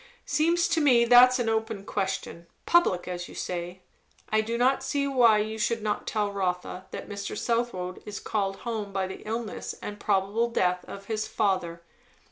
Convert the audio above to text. "'Seems to me that's an open question public, as you say. I do not see why you should not tell Rotha that Mr. Southwode is called home by the illness and probable death of his father.